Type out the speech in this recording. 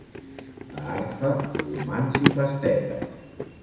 A Arfa, gormands i pastetes.